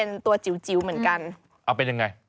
ไซส์ลำไย